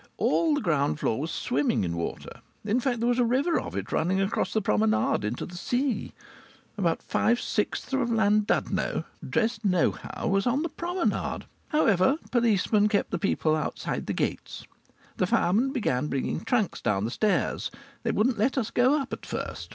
All the ground floor was swimming in water. In fact there was a river of it running across the promenade into the sea. About five sixths of Llandudno, dressed nohow, was on the promenade. However, policemen kept the people outside the gates. The firemen began bringing trunks down the stairs; they wouldn't let us go up at first.